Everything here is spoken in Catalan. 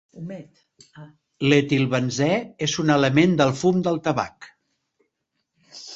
L'etilbenzè és un element del fum del tabac.